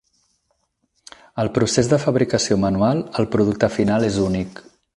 Al procés de fabricació manual, el producte final és únic.